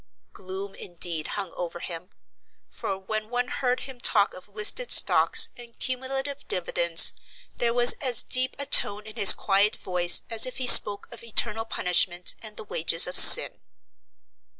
Gloom indeed hung over him. For, when one heard him talk of listed stocks and cumulative dividends, there was as deep a tone in his quiet voice as if he spoke of eternal punishment and the wages of sin.